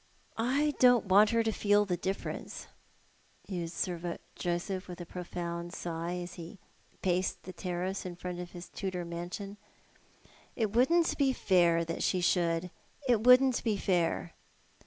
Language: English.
" I don't want her to feel the difference," mused Sir Joseph •with a profound sigh, as he paced the terrace in front of Ids Tudor mansion. "It wouldn't be fair that she should. It wouldn't be fair."